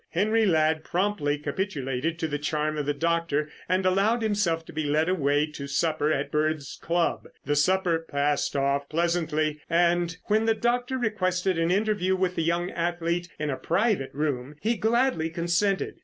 Henry Ladd promptly capitulated to the charm of the doctor and allowed himself to be led away to supper at Bird's club. The supper passed off pleasantly, and when the doctor requested an interview with the young athlete in a private room, he gladly consented.